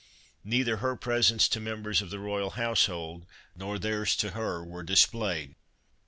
Neither her presents to members of the royal household nor theirs to her were displayed.